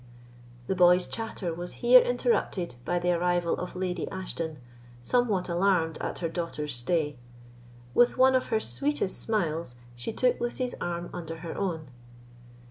The boy's chatter was here interrupted by the arrival of Lady Ashton, somewhat alarmed at her daughter's stay. With one of her sweetest smiles, she took Lucy's arm under her own.